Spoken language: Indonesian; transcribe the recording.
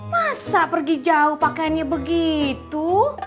masa pergi jauh pakaiannya begitu